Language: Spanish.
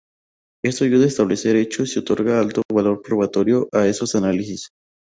Esto ayuda a establecer hechos y otorga alto valor probatorio a esos análisis.